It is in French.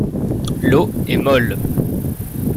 L’eau est molle.